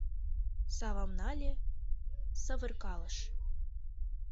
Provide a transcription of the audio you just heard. Савам нале, савыркалыш